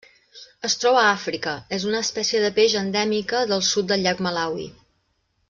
Es troba a Àfrica: és una espècie de peix endèmica del sud del llac Malawi.